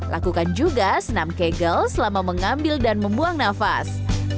lakukan juga senam kegel selama mengambil dan membuang nafas